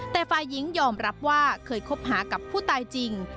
แต่ฝ่ายหญิงยอมรับว่าเคยคบหากับผู้ตายจริง